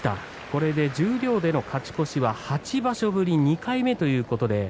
これで十両での勝ち越しは８場所ぶり２回目ということです。